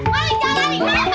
maling jangan lari